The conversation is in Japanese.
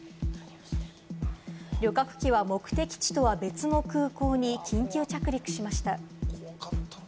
旅客機は目的地とは別の空港に緊急着陸しました。